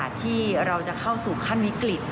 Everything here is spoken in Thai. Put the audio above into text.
ก็คือเป็นการสร้างภูมิต้านทานหมู่ทั่วโลกด้วยค่ะ